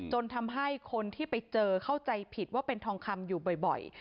จนทำให้คนที่ไปเจอเข้าใจผิดว่าเป็นทองคำอยู่บ่อย